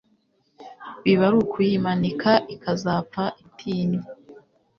Biba ari ukuyimanika ikazapfa itimye